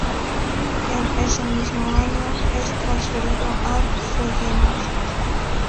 En ese mismo año es transferido al Feyenoord.